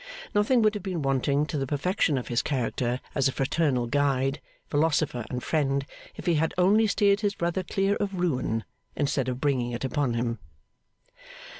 Nothing would have been wanting to the perfection of his character as a fraternal guide, philosopher and friend, if he had only steered his brother clear of ruin, instead of bringing it upon him.